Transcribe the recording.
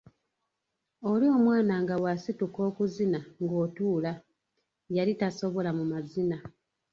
Oli omwana nga bw’asituka okuzina ng’otuula! yali tasobola mu mazina.